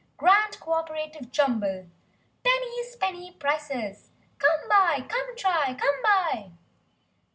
Grand co operative Jumble! Penny's penny prices! Come buy, come try, come buy!"